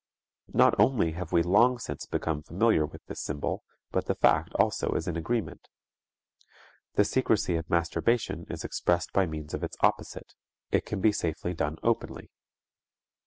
Not only have we long since become familiar with this symbol, but the fact also is in agreement. The secrecy of masturbation is expressed by means of its opposite "It can be safely done openly."